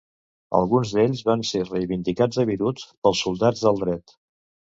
Alguns d'ells van ser reivindicats a Beirut pels Soldats del Dret.